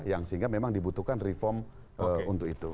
yang sehingga memang dibutuhkan reform untuk itu